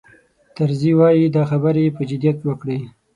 طرزي وایي دا خبرې یې په جدیت وکړې.